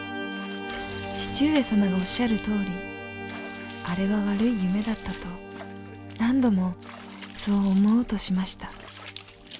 父上様のおっしゃるとおりあれは悪い夢だったと何度もそう思おうとしました。